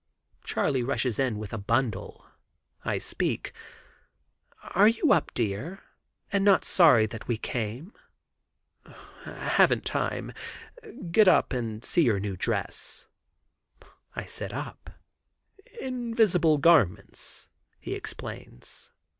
Charley rushes in with a bundle. I speak: "Are you up, dear, and not sorry that we came?" "Haven't time. Get up and see your new dress." I sit up. "Invisible garments," he explains.